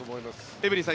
エブリンさん